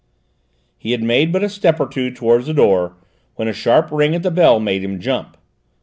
He had made but a step or two towards the door when a sharp ring at the bell made him jump.